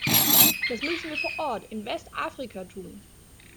Das müssen wir vor Ort in Westafrika tun.